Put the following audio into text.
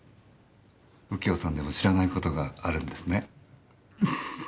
右京さんでも知らないことがあるんですね。